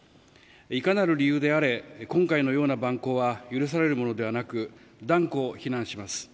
いかなる理由であれ今回のような蛮行は許されるものではなく断固、非難します。